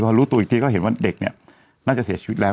พอรู้ตัวอีกทีก็เห็นว่าเด็กเนี่ยน่าจะเสียชีวิตแล้ว